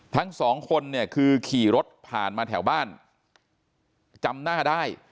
ทั้งสองคนเนี่ยคือขี่รถผ่านมาแถวบ้านจำหน้าได้